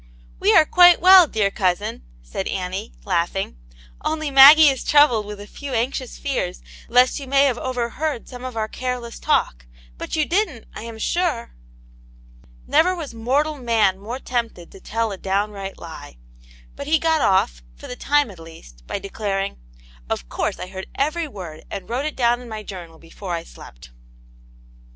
'* "We are quite well, dear cousin,*' said Annie, laughing, "only Maggie is troubled with a f^w anxious fears lest you may have overheard some of our careless talk ; but you didn't, I am sure .?" Never was mortal man more tempted to tell a downright lie. But he got off, for the time at least, by declaring —" Of course I heard every word, and wrote it down in my journal before I slept."